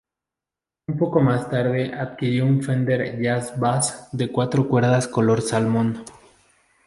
Un poco más tarde adquirió un Fender Jazz Bass de cuatro cuerdas color salmón.